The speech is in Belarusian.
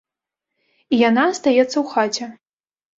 І яна астаецца ў хаце.